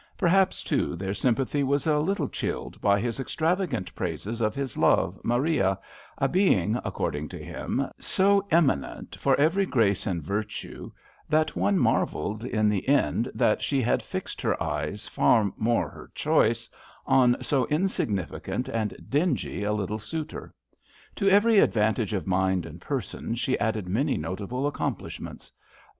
Perhaps, too, their sympathy was a little chilled by his extravagant praises of his love, Maria, a being, according to him, so eminent for every grace and virtue, that one marvelled in the end that she had 68 THia E^ARTItlNG fixed her eyes, far more her choice, on so insignificant and dingy a litde suitor. To every advantage of mind and person she added many notable accomplishments.